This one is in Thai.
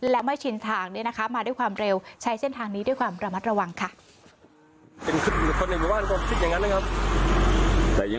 และไม่ชินทางมาด้วยความเร็วใช้เส้นทางนี้ด้วยความระมัดระวังค่ะ